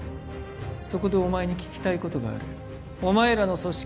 そこでお前に聞きたいことがあるお前らの組織